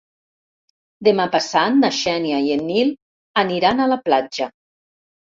Demà passat na Xènia i en Nil aniran a la platja.